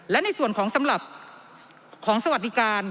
และในส่วนของสวัสดิการ